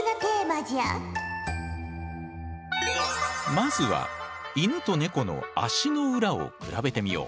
まずはイヌとネコの足の裏を比べてみよう。